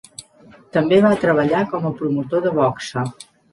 També va treballar com a promotor de boxa.